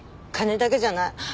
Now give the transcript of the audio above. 金だけじゃない。